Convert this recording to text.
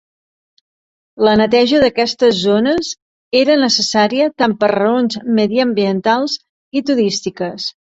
La neteja d'aquestes zones era necessària tant per raons mediambientals i turístiques.